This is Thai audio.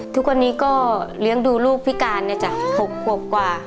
ทุกวันนี้ก็เลี้ยงดูลูกพิการนะจ๊ะ๖ขวบกว่า